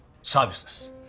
サービスです。